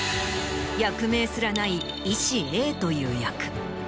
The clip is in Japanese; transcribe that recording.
役名すらない医師Ａという役。